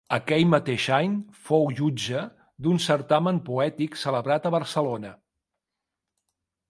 Aquell mateix any fou jutge d’un certamen poètic celebrat a Barcelona.